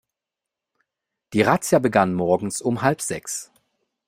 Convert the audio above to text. Die Razzia begann morgens um halb sechs.